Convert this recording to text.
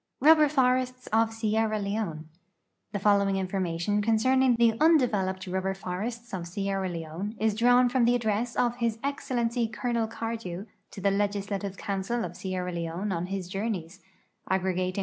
RUBBKIl FORKSTS OF STEKUA LKONK The following information concerning the undeveloped rubber forests of Sierra Leone is drawn from the address of His Excel lency Colonel Cardew to the legislative council of Sierra Lepne on his journeys, aggregating l.